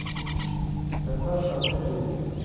ฉันเพิ่มเติมทฤษฎี